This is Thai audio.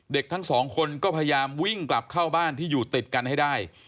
ทั้งสองคนก็พยายามวิ่งกลับเข้าบ้านที่อยู่ติดกันให้ได้